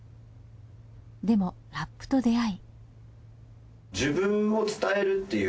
でもラップと出会い。